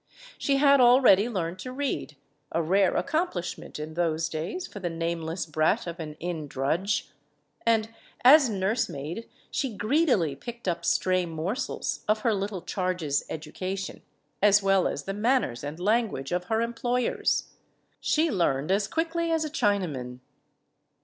She had already learned to read a rare accomplishment in those days for the nameless brat of an inn drudge. And, as nursemaid, she greedily picked up stray morsels of her little charges' education, as well as the manners and language of her employers. She learned as quickly as a Chinaman.